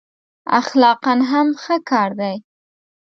اخلاقأ هم ښه کار دی.